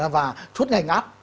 và suốt ngày ngắp